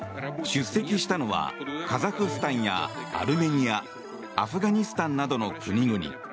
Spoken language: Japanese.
出席したのはカザフスタンやアルメニアアフガニスタンなどの国々。